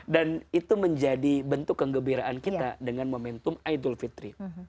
dan itu menjadi bentuk kegeberan kita dengan momentum a'idul fitri